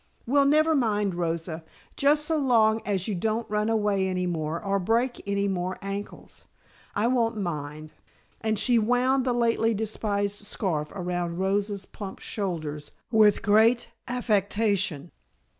"Well, never mind, Rosa. Just so long as you don't run away any more, or break any more ankles, I won't mind," and she wound the lately despised scarf around Rosa's plump shoulders, with great affectation.